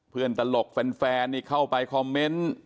เพื่อนตลกแฟนเข้าไปคอมเมนต์